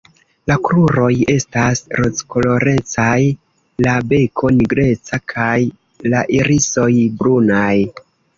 La kruroj estas rozkolorecaj, la beko nigreca kaj la irisoj brunaj.